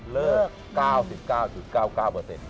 เลิก๙๙ถึง๙๙เปอร์เซ็นต์